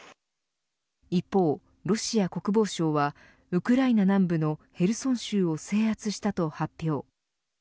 一方、ロシア国防省はウクライナ南部のヘルソン州を制圧したと発表。